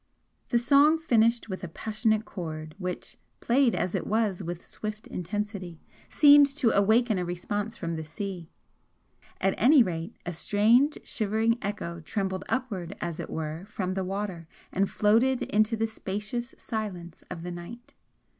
The song finished with a passionate chord which, played as it was with swift intensity, seemed to awaken a response from the sea, at any rate a strange shivering echo trembled upward as it were from the water and floated into the spacious silence of the night.